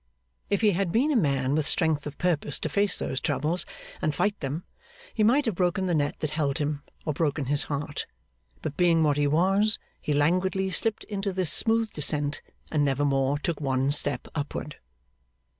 If he had been a man with strength of purpose to face those troubles and fight them, he might have broken the net that held him, or broken his heart; but being what he was, he languidly slipped into this smooth descent, and never more took one step upward.